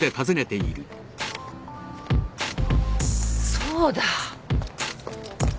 そうだ。